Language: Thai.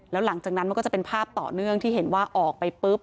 แล้วหลังจากนั้นมันก็จะเป็นภาพต่อเนื่องที่เห็นว่าออกไปปุ๊บ